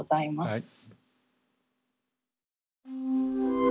はい。